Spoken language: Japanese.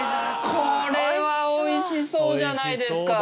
これはおいしそうじゃないですか！